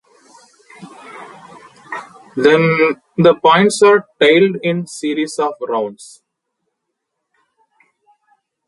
Then, the points are tallied in a series of rounds.